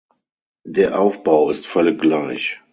Der Aufbau ist völlig gleich.